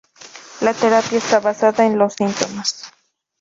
La terapia está basada en los síntomas.